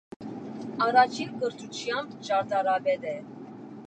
Առաջին կրթությամբ ճարտարապետ է։